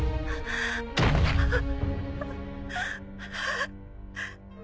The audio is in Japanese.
あああ。